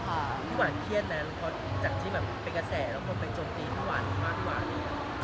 เอาเรื่องต่อไป